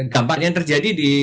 gampangnya yang terjadi di